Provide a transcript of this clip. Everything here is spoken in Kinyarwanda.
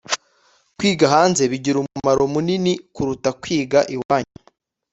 kwiga hanze bigira umumaro munini kuruta kwiga iwanyu